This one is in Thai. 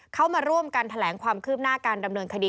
เข้ามาร่วมกันแถลงความคืบหน้าการดำเนินคดี